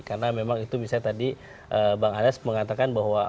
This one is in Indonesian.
karena memang itu misalnya tadi bang anas mengatakan bahwa